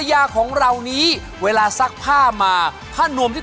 ในช่วงนี้ก็ถึงเวลากับศึกแห่งศักดิ์ศรีของฝ่ายชายกันบ้างล่ะครับ